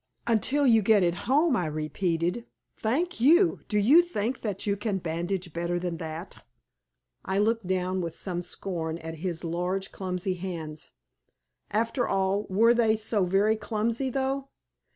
"Until you get it home!" I repeated. "Thank you! Do you think that you can bandage better than that?" I looked down with some scorn at his large, clumsy hands. After all, were they so very clumsy, though?